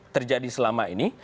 terjadi selama ini